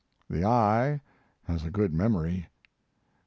The eye has a good memory.